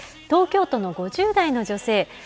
東京都の５０代の女性。